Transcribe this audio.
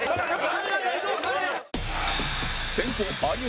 先攻有吉